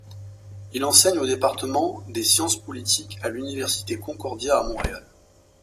Il enseigne au département des sciences politiques à l'université Concordia à Montréal.